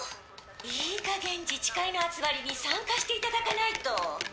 いいかげん自治会の集まりに参加していただかないと。